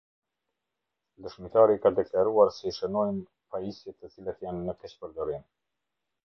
Dëshmitari ka deklaruar se i shënojmë pajisjet të cilat janë në keqpërdorim.